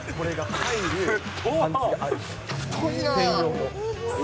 太いなー。